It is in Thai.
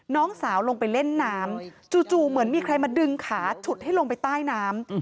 น้องสาวลงไปเล่นน้ำจู่เหมือนมีใครมาดึงขาฉุดให้ลงไปใต้น้ำ